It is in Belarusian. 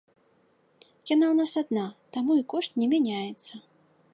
Яна ў нас адна, таму і кошт не мяняецца.